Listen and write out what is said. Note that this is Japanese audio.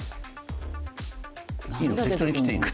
適当に切っていいの？